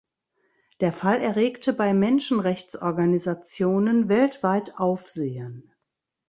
Der Fall erregte bei Menschenrechtsorganisationen weltweit Aufsehen.